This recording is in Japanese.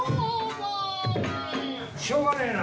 しょうがねえな。